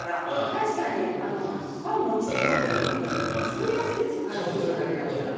確かにパンを持ってくのにつぶれやすいんですよ紙袋だけだったら。